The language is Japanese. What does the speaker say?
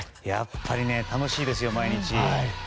やっぱり楽しいですよ毎日。